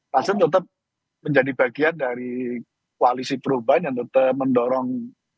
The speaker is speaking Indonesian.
nasdem tetap menjadi bagian dari koalisi perubahan yang tetap mendorong